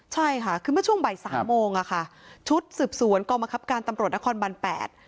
ใช่ค่ะคือเมื่อช่วงบ่ายสามโมงอ่ะค่ะชุดสืบสวนกองบังคับการตำรวจนครบันแปด